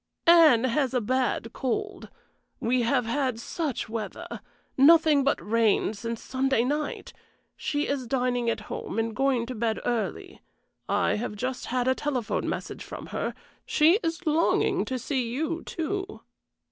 "Anne has a bad cold. We have had such weather nothing but rain since Sunday night! She is dining at home and going to bed early. I have just had a telephone message from her; she is longing to see you, too."